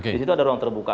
di situ ada ruang terbuka